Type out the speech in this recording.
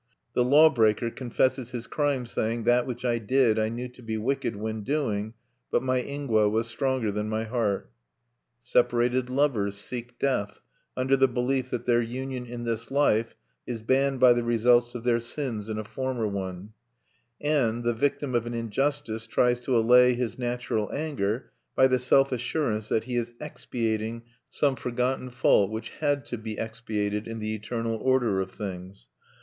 The law breaker confesses his crime, saying: "That which I did I knew to be wicked when doing; but my ingwa was stronger than my heart." Separated lovers seek death under the belief that their union in this life is banned by the results of their sins in a former one; and, the victim of an injustice tries to allay his natural anger by the self assurance that he is expiating some forgotten fault which had to, be expiated in the eternal order of things....